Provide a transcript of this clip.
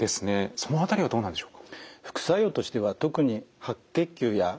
その辺りはどうなんでしょうか？